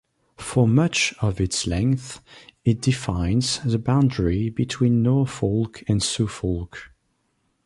For much of its length it defines the boundary between Norfolk and Suffolk.